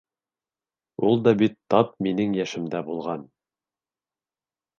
Ул да бит тап минең йәшемдә булған.